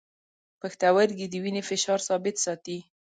پښتورګي د وینې فشار ثابت ساتي.